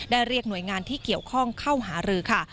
เรียกหน่วยงานที่เกี่ยวข้องเข้าหารือค่ะ